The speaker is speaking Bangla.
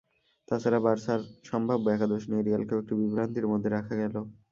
তা ছাড়া বার্সার সম্ভাব্য একাদশ নিয়ে রিয়ালকেও একটু বিভ্রান্তির মধ্যে রাখা গেল।